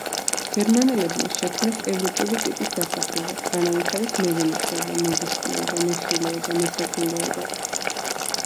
გერმანელებმა შექმნეს ევროპული ტიპის დასახლება, განავითარეს მევენახეობა, მებოსტნეობა, მეხილეობა, მესაქონლეობა.